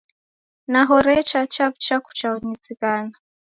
Nahoresha, chaw'ucha kucha nizighana